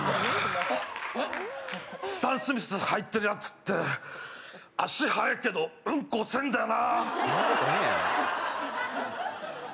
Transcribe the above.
スタン・スミス履いてるやって、足速いけどうんこ遅えんだよな。